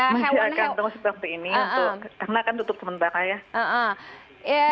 masih akan terus seperti ini karena akan tutup sementara ya